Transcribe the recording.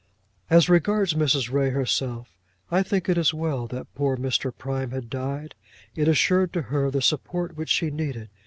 As regards Mrs. Ray herself, I think it was well that poor Mr. Prime had died. It assured to her the support which she needed.